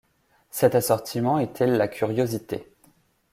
Cet assortiment était « la curiosité ».